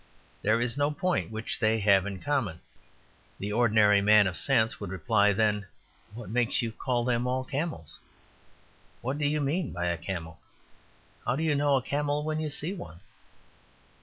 There is no point which they have in common." The ordinary man of sense would reply, "Then what makes you call them all camels? What do you mean by a camel? How do you know a camel when you see one?"